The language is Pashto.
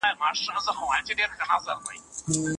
او د کاغذ مخ په رنګین کړي